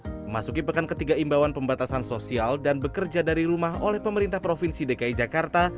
memasuki pekan ketiga imbauan pembatasan sosial dan bekerja dari rumah oleh pemerintah provinsi dki jakarta